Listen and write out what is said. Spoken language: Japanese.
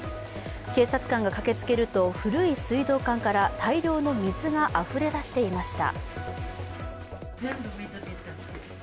警察官が駆けつけると、古い水道管から大量の水があふれ出していました。